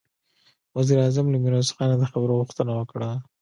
وزير اعظم له ميرويس خانه د خبرو غوښتنه وکړه.